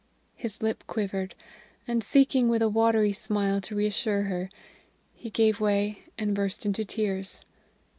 His lip quivered, and, seeking with a watery smile to reassure her, he gave way and burst into tears.